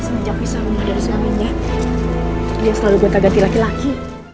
sejak bisa rumah dari suaminya dia selalu buat agak di laki laki